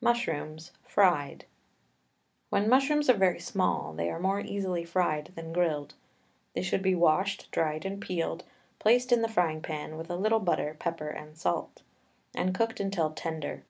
MUSHROOMS, FRIED. When mushrooms are very small they are more easily fried than grilled. They should be washed, dried and peeled, placed in a frying pan, with a little butter, pepper and salt, and cooked till tender.